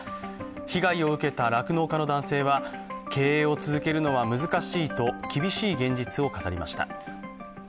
被害を受けた酪農家の男性は、経営を続けるのは難しいと厳しい現実を語りました。